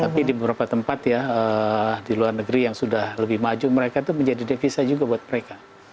tapi di beberapa tempat ya di luar negeri yang sudah lebih maju mereka itu menjadi devisa juga buat mereka